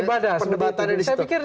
pendebatan dari situ